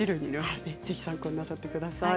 ぜひ参考になさってください。